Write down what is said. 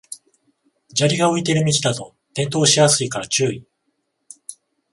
砂利が浮いてる道だと転倒しやすいから注意